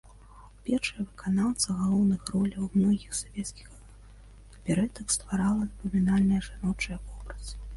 Першая выканаўца галоўных роляў у многіх савецкіх аперэтах, стварыла запамінальныя жаночыя вобразы.